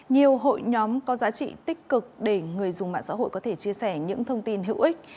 nhiều hội nhóm có giá trị tích cực để người dùng mạng xã hội có thể chia sẻ những thông tin hữu ích